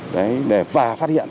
và phát hiện những bạn nào